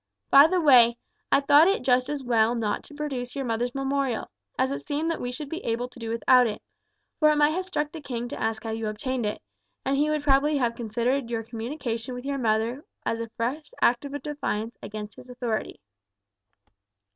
By the way, I thought it just as well not to produce your mother's memorial, as it seemed that we should be able to do without it, for it might have struck the king to ask how you obtained it, and he would probably have considered that your communication with your mother was a fresh act of defiance against his authority."